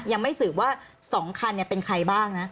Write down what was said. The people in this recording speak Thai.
ยังไม่สืบว่าสองคันเนี่ยเป็นใครบ้างนะ